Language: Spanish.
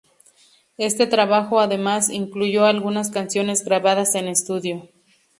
Este trabajo, además, incluyó algunas canciones grabadas en estudio.